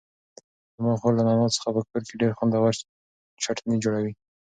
زما خور له نعناع څخه په کور کې ډېر خوندور چتني جوړوي.